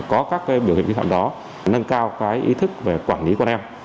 có các biểu hiện vi phạm đó nâng cao ý thức về quản lý con em